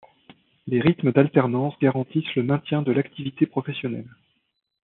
Les rythmes d’alternance garantissent le maintien de l’activité professionnelle.